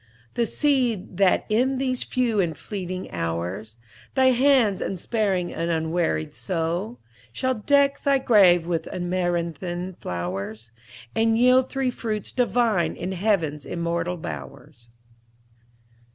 The seed that in these few and fleeting hours Thy hands, unsparing and unwearied sow, Shall deck thy grave with amaranthine flowers, And yield thee fruits divine in heaven's immortal bowers."